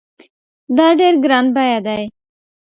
دا ډېر ګران بیه دی